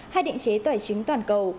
hai định chế tỏa chính toàn cầu